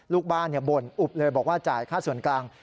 ลูกบ้านบ่นอุบเลยบอกว่าจ่ายค่าส่วนกลาง